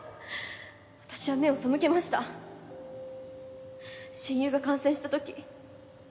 私は目を背けました親友が感染したとき。